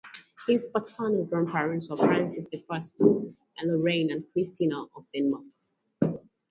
His paternal grandparents were Francis the First, Duke of Lorraine, and Christina of Denmark.